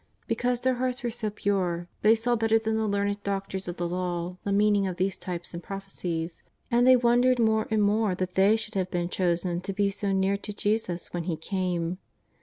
Because their hearts were so pure, they saw better than the learned doctors of the Law the meaning of these types and prophecies, and they wondered more and more that they should have been chosen to be so near to Jesus when He came.